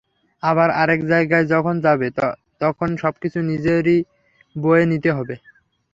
আবার আরেক জায়গায় যখন যাবে, তখন সবকিছু নিজেদেরই বয়ে নিতে হবে।